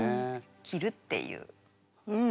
切るっていう。